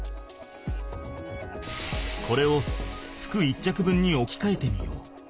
これを服１着分におきかえてみよう。